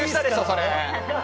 それ！